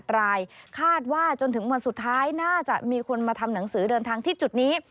๘รายคาดว่าจนถึงวันสุดท้ายน่าจะมีคนมาทำหนังสือเดินทางที่จุดนี้